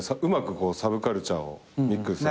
こうサブカルチャーをミックスさせて。